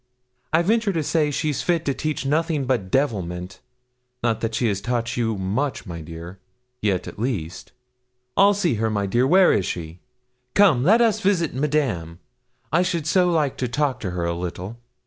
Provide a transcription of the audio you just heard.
I venture to say she's fit to teach nothing but devilment not that she has taught you much, my dear yet at least. I'll see her, my dear; where is she? Come, let us visit Madame. I should so like to talk to her a little.'